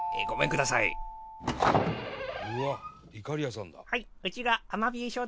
「うわっいかりやさんだ」